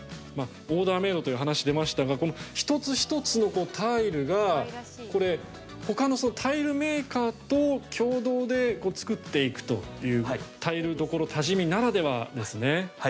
オーダーメードという話出ましたが、一つ一つのタイルがほかのタイルメーカーと共同で作っていくというタイルどころ多治見ならではですね。